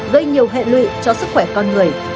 gây nhiều hẹn lụy cho sức khỏe con người